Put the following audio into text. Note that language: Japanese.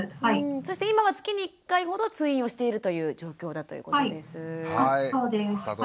そして今は月に１回ほど通院をしているという状況だということです。